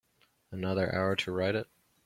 Another hour to write it.